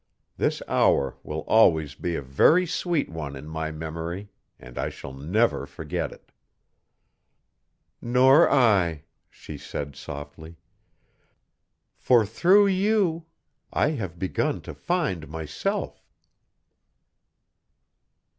This hour will always be a very sweet one in my memory, and I shall never forget it." "Nor I," she said softly, "for, through you, I have begun to find myself."